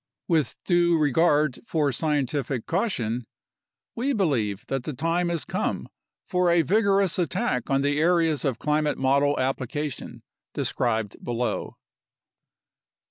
With due regard 88 UNDERSTANDING CLIMATIC CHANGE for scientific caution, we believe that the time has come for a vigorous attack on the areas of climate model application described below.